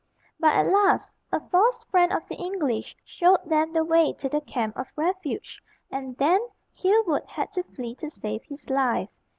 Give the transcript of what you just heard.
But at last a false friend of the English showed them the way to the "Camp of Refuge", and then Hereward had to flee to save his life.